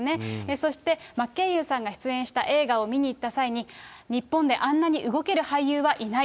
そして、真剣佑さんが出演した映画を見に行った際に、日本であんなに動ける俳優はいない。